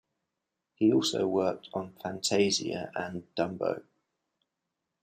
He also worked on "Fantasia" and "Dumbo".